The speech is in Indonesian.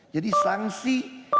jadi sanksi yang mendidik sebagai orang